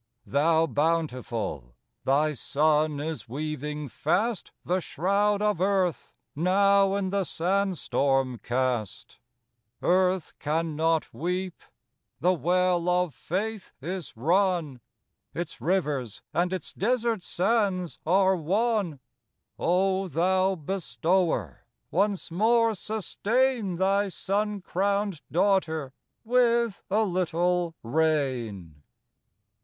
Thou Bountiful, thy Sun is weaving fast The shroud of Earth now in the sand storm cast; Earth can not weep,—the well of faith is run,— Its rivers and its desert sands are one: O thou Bestower, once more sustain Thy sun crowned Daughter with a little rain.